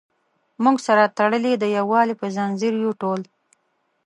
موږ سره تړلي د یووالي په زنځیر یو ټول.